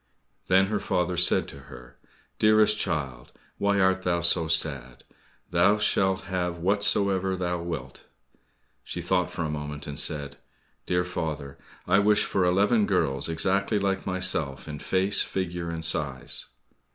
Then her father said to her, "Dearest child, why art thou so sad? Thou shalt have whatsoever thou wilt." She thought for a moment and said, "Dear father, I wish for eleven girls exactly like myself in face, figure, and size."